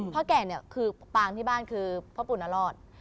แก่เนี่ยคือปางที่บ้านคือพ่อปู่นรอด